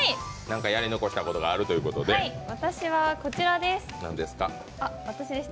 私はこちらです。